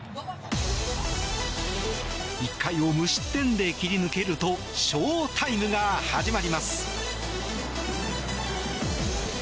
１回を無失点で切り抜けるとＳＨＯＷＴＩＭＥが始まります。